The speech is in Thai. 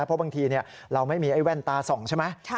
เพราะบางทีเราไม่มีไอ้แว่นตาส่องใช่ไหม